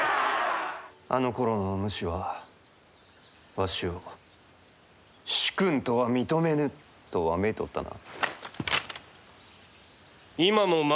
あのころのお主はわしを「主君とは認めぬ」とわめいておったな。